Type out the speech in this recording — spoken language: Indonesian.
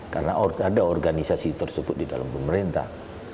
karena ada organisasi tersebut di dalam pemerintah